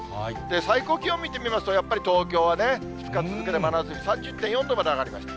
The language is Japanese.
最高気温見てみますと、やっぱり東京はね、２日続けて真夏日、３０．４度まで上がりました。